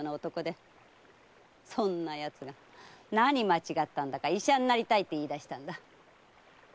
そんな奴が何間違ったんだか医者になりたいって言い出して。